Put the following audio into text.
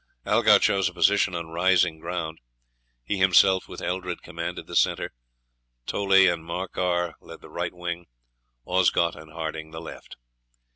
Algar chose a position on rising ground. He himself with Eldred commanded the centre, Toley and Morcar led the right wing, Osgot and Harding the left.